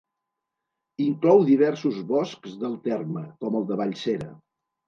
Inclou diversos boscs del terme, com el de Vallsera.